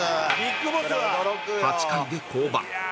８回で降板